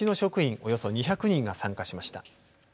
およそ２００人が参加しました。